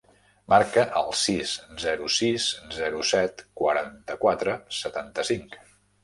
Marca el sis, zero, sis, zero, set, quaranta-quatre, setanta-cinc.